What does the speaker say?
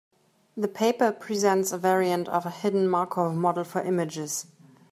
The paper presents a variant of a hidden Markov model for images.